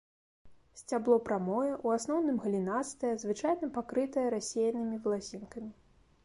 Сцябло прамое, у асноўным галінастае, звычайна пакрытае рассеянымі валасінкамі.